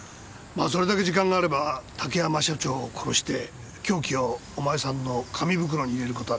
まあそれだけ時間があれば竹山社長を殺して凶器をお前さんの紙袋に入れることはできるな。